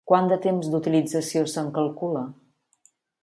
Quant de temps d'utilització se'n calcula?